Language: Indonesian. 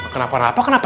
kenapa kenapa kenapa